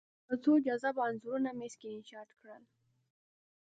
څو جذابه انځورونه مې سکرین شاټ کړل